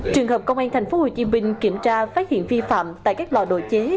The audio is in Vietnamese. trường hợp công an tp hcm kiểm tra phát hiện vi phạm tại các lò đồ chế